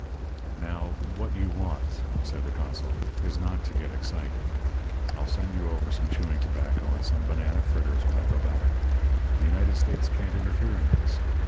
"'Now, what you want,' says the consul, 'is not to get excited. I'll send you over some chewing tobacco and some banana fritters when I go back. The United States can't interfere in this.